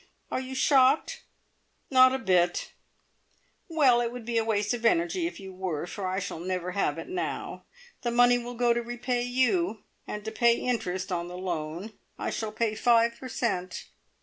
Are you shocked?" "Not a bit!" "Well, it would be a waste of energy if you were, for I shall never have it now. The money will go to repay you and to pay interest on the loan. I shall pay five per cent."